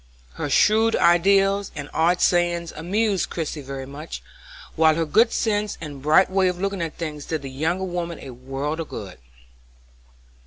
Her shrewd ideas and odd sayings amused Christie very much, while her good sense and bright way of looking at things did the younger woman a world of good.